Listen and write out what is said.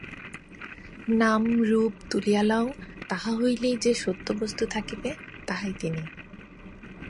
নাম-রূপ তুলিয়া লও, তাহা হইলেই যে- সত্যবস্তু থাকিবে, তাহাই তিনি।